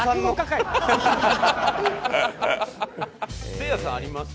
せいやさんあります？